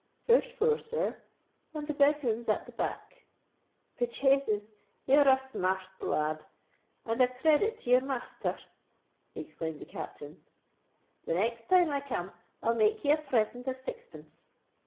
"First floor, sir,—and the bed room's at the back." "By Jasus! you're a smar rt lad, and a credit to your masther!" exclaimed the Captain. "The next time I come, I'll make ye a present of sixpence."